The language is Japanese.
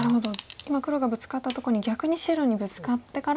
今黒がブツカったとこに逆に白にブツカってから。